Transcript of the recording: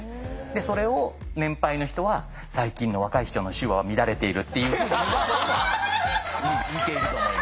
でそれを年配の人は「最近の若い人の手話は乱れている」っていうところも似ていると思います。